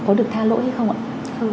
có được tha lỗi hay không ạ